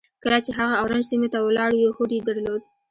کله چې هغه اورنج سيمې ته ولاړ يو هوډ يې درلود.